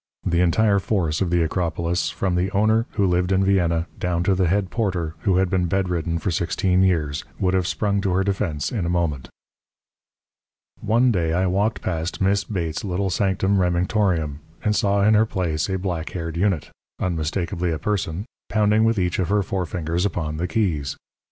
The entire force of the Acropolis, from the owner, who lived in Vienna, down to the head porter, who had been bedridden for sixteen years, would have sprung to her defence in a moment. One day I walked past Miss Bates's little sanctum Remingtorium, and saw in her place a black haired unit unmistakably a person pounding with each of her forefingers upon the keys.